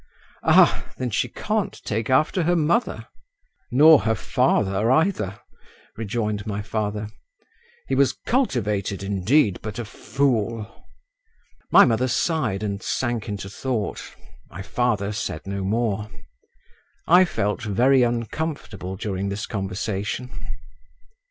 "Ah! Then she can't take after her mother." "Nor her father either," rejoined my father. "He was cultivated indeed, but a fool." My mother sighed and sank into thought. My father said no more. I felt very uncomfortable during this conversation.